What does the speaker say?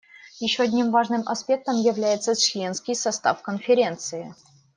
Еще одним важным аспектом является членский состав Конференции.